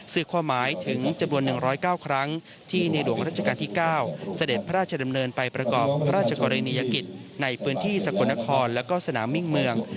สื่อความหมายถึงจำนวน๑๐๙ครั้งที่ในหลวงรัชกาลที่๙เสด็จพระราชดำเนินไปประกอบพระราชกรณียกิจในพื้นที่สกลนครและก็สนามมิ่งเมือง